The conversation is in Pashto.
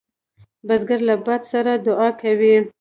بزګر له باد سره دعا کوي